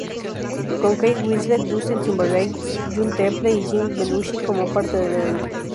Con Kate Winslet, Justin Timberlake, Juno Temple y Jim Belushi como parte del elenco.